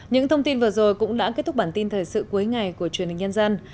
những thông tin vừa rồi cũng đã kết thúc bản tin thời sự cuối ngày của truyền hình nhân dân